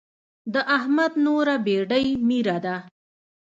د احمد نوره بېډۍ ميره ده.